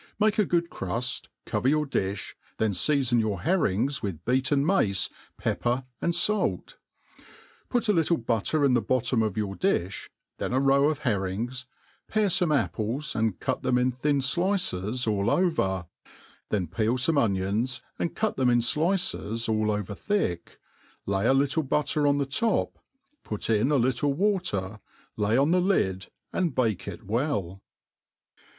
. Make a good cruit, cover your, diih, then fea fon your herrings with beaten mace, pepper, and fait ; put a little butter in the bottom of youj^diib, then a row of herrings^ pare fome apples, and cut them in thin flices all over, then peel fotoe onions, and cut them in flices all over thick, lay a littl.e butter on the top, put in a little water, lay on the lid, and bake it well.